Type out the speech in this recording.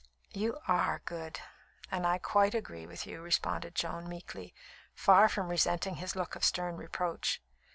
"You are good, and I quite agree with you," responded Joan meekly, far from resenting his look of stern reproach.